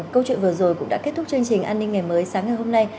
câu chuyện vừa rồi cũng đã kết thúc chương trình an ninh ngày mới sáng ngày hôm nay